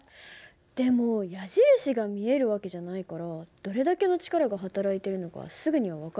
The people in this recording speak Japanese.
でも矢印が見える訳じゃないからどれだけの力がはたらいてるのかすぐには分からないよね。